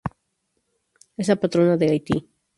Es la patrona de Haití.